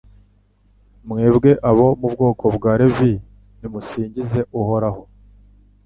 mwebwe abo mu bwoko bwa Levi nimusingize Uhoraho